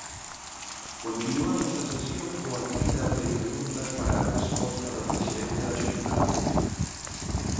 Continuamos a sesión coa quenda de preguntas para resposta do presidente da Xunta.